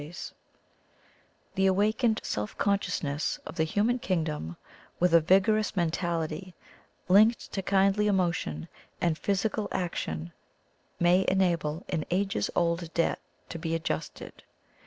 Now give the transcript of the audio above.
185 THE COMING OF THE FAIRIES "The awakened self consciousness of the human kingdom, with a vigorous mentality linked to kindly emotion and physical ac tion, may enable an ages old debt to be ad justed.